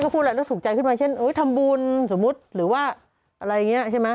มันถูกใจไงมันแบบมันอย่างนี้ไหม